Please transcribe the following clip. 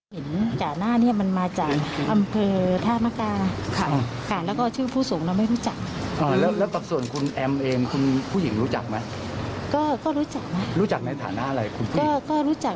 เป็นชื่อที่เราไม่รู้จัก